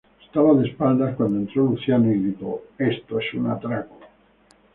Estaba de espaldas cuando entró Luciano y grito: "Esto es un atraco".